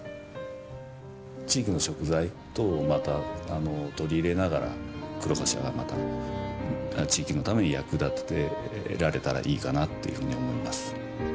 地域の食材等をまた取り入れながら黒かしわをまた地域のために役立てられたらいいかなっていうふうに思います。